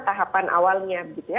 tahapan awalnya gitu ya